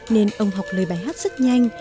nên ông học lời bài hát rất nhanh